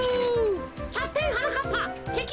キャプテンはなかっぱてきです。